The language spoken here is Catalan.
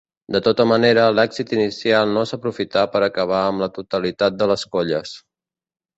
De tota manera, l'èxit inicial no s'aprofità per acabar amb la totalitat de les colles.